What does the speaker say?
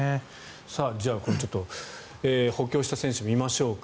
じゃあ、補強した選手を見ましょうか。